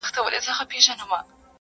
اورېدلي یې زاړه وراسته نکلونه!